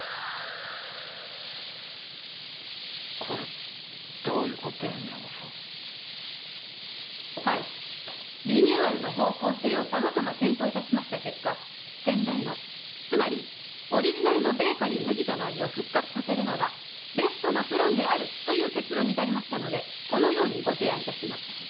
これどういうことだよ宮本さんはいリニューアルの方向性を様々検討いたしました結果先代のつまりオリジナルのベーカリー麦田の味を復活させるのがベストなプランであるという結論に至りましたのでこのようにご提案いたします